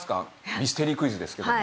ミステリークイズですけども。